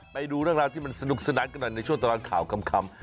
ไปดูเรื่องราวที่มันสนุกสนานกันหน่อยในช่วงตลอดข่าวคำ